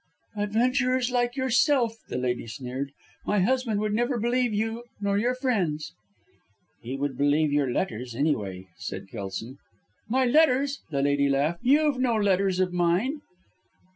"Adventurers like yourself," the lady sneered. "My husband would neither believe you nor your friends." "He would believe your letters, any way," said Kelson. "My letters!" the lady laughed, "You've no letters of mine."